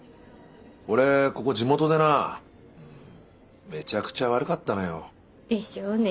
俺ここ地元でなめちゃくちゃワルかったのよ。でしょうね。